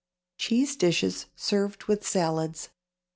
CHEESE DISHES SERVED WITH SALADS.